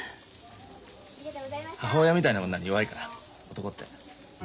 母親みたいな女に弱いから男って。